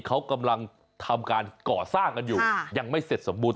เขากำลังทำการก่อสร้างกันอยู่ยังไม่เสร็จสมบูรณ